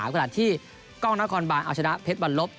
ขณะที่กล้องนครบานเอาชนะเพชรวันลบ